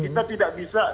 kita tidak bisa